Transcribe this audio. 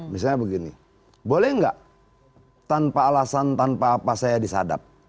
misalnya begini boleh nggak tanpa alasan tanpa apa saya disadap